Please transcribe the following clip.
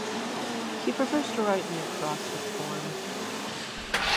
He prefers to write in the acrostic form.